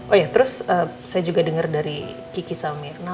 oh ya terus saya juga dengar dari kiki salmirna